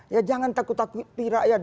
ya jangan takut takuti rakyat